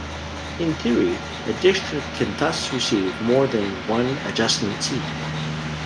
In theory, a district can thus receive more than one adjustment seat.